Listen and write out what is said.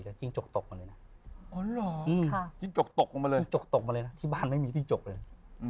แล้วเจอกลับมันแปลกเลย